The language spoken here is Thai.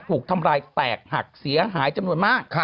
ถูกทำร้ายแตกหักเสียหายจำนวนมาก